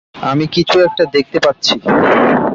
আমি কিছু একটা দেখতে পাচ্ছি।